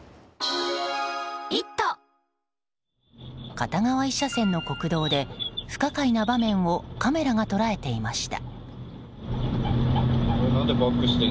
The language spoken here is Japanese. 片側１車線の国道で不可解な場面をカメラが捉えていました。